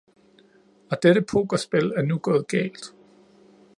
Og dette pokerspil er nu gået galt.